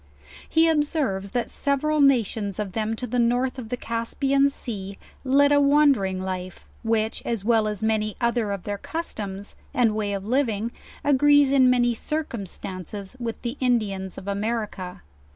He observes that several nations of them to the north of the Caspian soa, led a wandering 1 life; which, as well as many other of their customs, and way of living, agrees in many circumstances with the Indians of America.